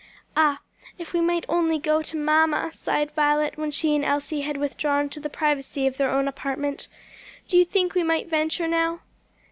"Ah, if we might only go to mamma!" sighed Violet, when she and Elsie had withdrawn to the privacy of their own apartment. "Do you think we might venture now?"